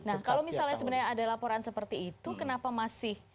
nah kalau misalnya sebenarnya ada laporan seperti itu kenapa masih